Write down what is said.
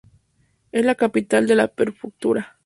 Es la capital de la prefectura.